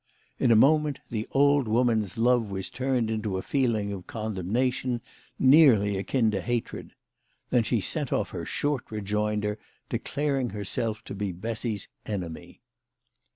In a moment the old woman's love was turned into a feeling of condemnation, nearly akin to hatred. Then she sent off her short rejoinder, de claring herself to be Bessy's enemy.